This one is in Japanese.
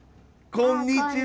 こんにちは。